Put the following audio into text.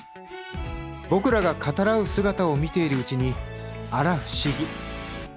僕らが語らう姿を見ているうちにあら不思議。